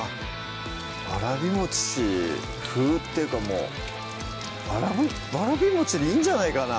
「わらび風」っていうかもうわらびわらびでいいんじゃないかな